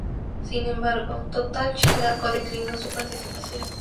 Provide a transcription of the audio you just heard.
Sin embargo, Total Chalaco declinó su participación.